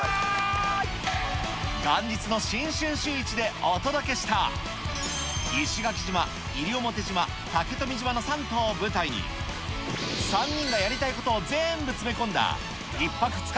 元日の新春シューイチでお届けした、石垣島、西表島、竹富島の３島を舞台に、３人がやりたいことを全部詰め込んだ、１泊２日